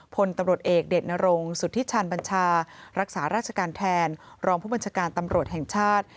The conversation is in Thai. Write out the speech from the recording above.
พลตำรวจเอกเดชนรงสุธิชันบัญชารักษาราชการแทนรองผู้บัญชาการตำรวจแห่งชาติ